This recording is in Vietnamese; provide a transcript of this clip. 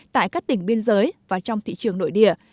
tại các tỉnh biên giới và trong thị trường nội địa